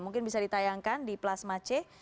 mungkin bisa ditayangkan di plasma c